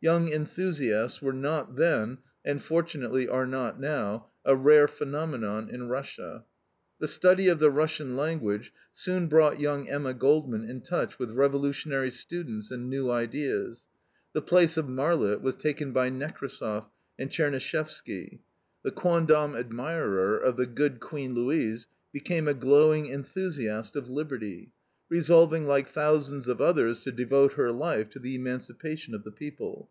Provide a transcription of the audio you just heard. Young enthusiasts were not then and, fortunately, are not now a rare phenomenon in Russia. The study of the Russian language soon brought young Emma Goldman in touch with revolutionary students and new ideas. The place of Marlitt was taken by Nekrassov and Tchernishevsky. The quondam admirer of the good Queen Louise became a glowing enthusiast of liberty, resolving, like thousands of others, to devote her life to the emancipation of the people.